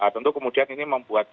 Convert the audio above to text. tentu kemudian ini membuat